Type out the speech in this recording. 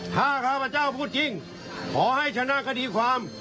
ถ้าข้าพเจ้าพูดจริงขอให้ชนะคดีความ